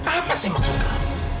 apa sih maksud kamu